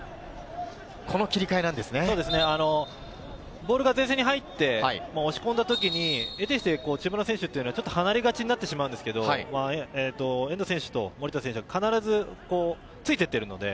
ボールが前線に入って押し込んだときに、得てしてチームの選手は離れがちになってしまうんですけど、遠藤選手と守田選手は必ずついていっている。